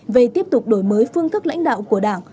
về tiếp tục đổi mới phương thức lãnh đạo của đảng